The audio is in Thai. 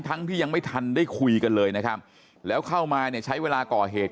ทั้งที่ยังไม่ทันได้คุยกันเลยนะครับแล้วเข้ามาเนี่ยใช้เวลาก่อเหตุ